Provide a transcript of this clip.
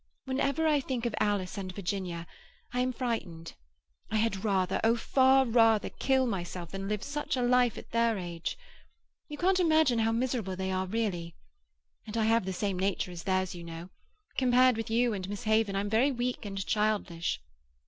Whenever I think of Alice and Virginia, I am frightened; I had rather, oh, far rather, kill myself than live such a life at their age. You can't imagine how miserable they are, really. And I have the same nature as theirs, you know. Compared with you and Miss Haven I'm very weak and childish."